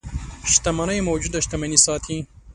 شتمنيو موجوده شتمني ساتي.